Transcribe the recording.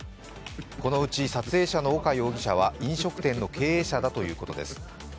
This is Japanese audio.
このうち撮影者の岡容疑者は飲食店の経営者だということです。